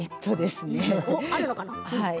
あるのかな。